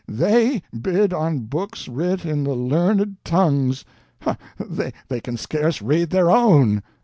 THEY bid on books writ in the learned tongues! they can scarce read their own."